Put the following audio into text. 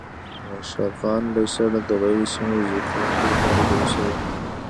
د خوشحال خان لیسه د قبایلي سیمو د زده کوونکو لپاره جوړه شوې وه.